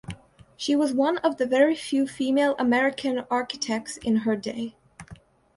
She was one of the very few female American architects in her day.